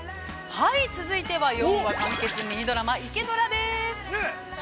◆続いては４話完結ミニドラマ、「イケドラ」です。